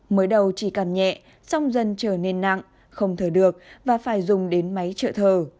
mới đầu chỉ càng nhẹ song dần trở nên nặng không thở được và phải dùng đến máy trợ thở